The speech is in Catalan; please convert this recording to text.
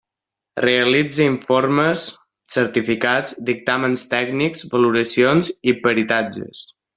Realitza informes, certificats, dictàmens tècnics, valoracions i peritatges.